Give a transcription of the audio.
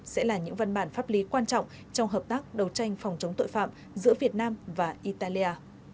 sẽ là những văn bản pháp lý quan trọng trong hợp tác đầu tranh phòng chống tội phạm giữa việt nam và italia